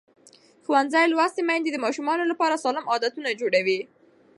ښوونځې لوستې میندې د ماشومانو لپاره سالم عادتونه جوړوي.